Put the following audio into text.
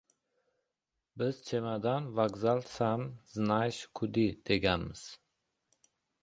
Biz «Chemodan, vokzal, sam znaєsh kudi» deganimiz yo‘q